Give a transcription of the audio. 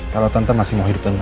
kalau tante masih mau hidup tenang